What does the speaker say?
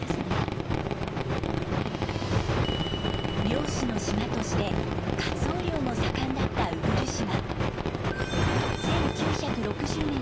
漁師の島としてカツオ漁も盛んだった鵜来島。